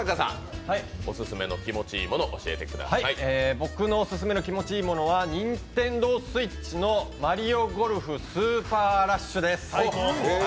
僕のオススメの気持ち良いものはＮｉｎｔｅｎｄｏＳｗｉｔｃｈの「マリオゴルフスーパーラッシュ」です。